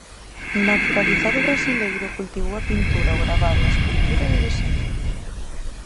Naturalizado brasileiro, cultivou a pintura, o gravado, a escultura e o deseño.